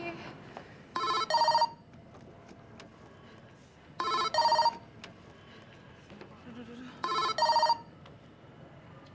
duh duh duh